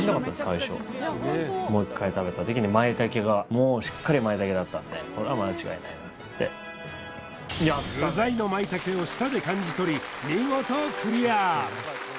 最初もう一回食べた時に舞茸がもうしっかり舞茸だったんでこれは間違いないなと思って具材の舞茸を舌で感じ取り見事クリア！